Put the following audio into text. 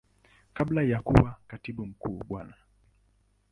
Kabla ya kuwa Katibu Mkuu Bwana.